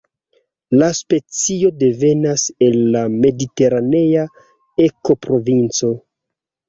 La specio devenas el la mediteranea ekoprovinco.